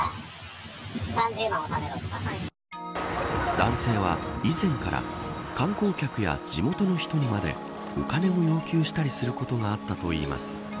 男性は以前から観光客や地元の人にまでお金を要求したりすることがあったといいます。